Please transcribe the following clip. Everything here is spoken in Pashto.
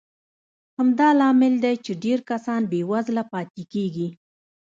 همدا لامل دی چې ډېر کسان بېوزله پاتې کېږي.